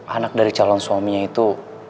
anak dari calon suaminya itu